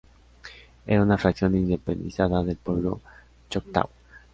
Eran una fracción independizada del pueblo choctaw.